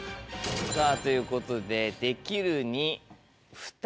さぁということで「できる」に２人。